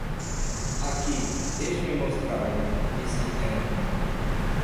"Aqui, deixe-me mostrar-lhe", disse Ann.